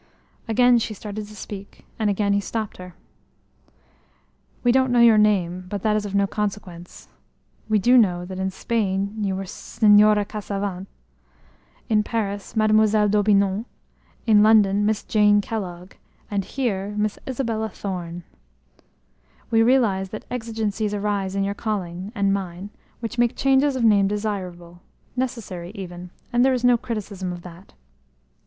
Again she started to speak, and again he stopped her. "We don't know your name, but that is of no consequence. We do know that in Spain you were Señora Cassavant, in Paris Mademoiselle d'Aubinon, in London Miss Jane Kellog, and here Miss Isabel Thorne. We realize that exigencies arise in your calling, and mine, which make changes of name desirable, necessary even, and there is no criticism of that.